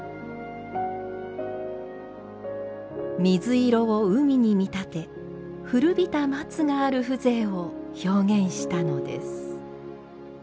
水色を海に見立て古びた松がある風情を表現したのです。